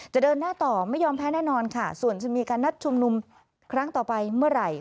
เดินหน้าต่อไม่ยอมแพ้แน่นอนค่ะส่วนจะมีการนัดชุมนุมครั้งต่อไปเมื่อไหร่